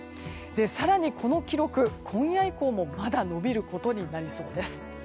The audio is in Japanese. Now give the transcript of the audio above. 更に、この記録、今夜以降もまだ伸びることになりそうです。